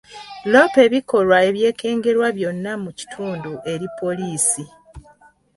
Loopa ebikolwa ebyekengerwa byonna mu kitundu eri poliisi.